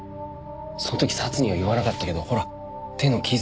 その時サツには言わなかったけどほら手の傷。